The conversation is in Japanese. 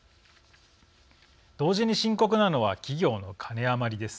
同時に深刻なのは企業のカネ余りです。